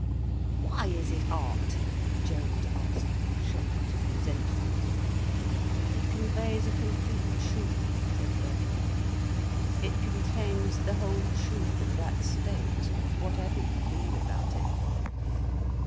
"Why is it art?" Gerald asked, shocked, resentful. "It conveys a complete truth," said Birkin. "It contains the whole truth of that state, whatever you feel about it."